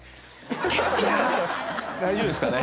大丈夫ですかね？